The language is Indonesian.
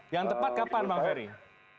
yang tepat kapan bang ferry